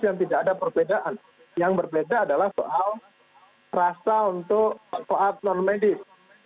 yang berbeda adalah soal rasa untuk saat non medis